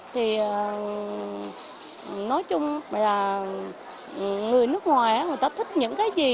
thì nói chung là người nước ngoài người ta thích những cái gì